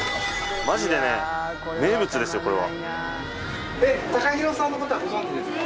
マジでね名物ですよこれは。